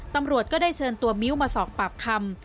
ตำรวจก็ได้เชิญตัวมิ้วมาสอบปากคำ